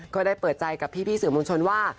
ก็ได้เปิดใจกับพี่สื่อมวลชนว่า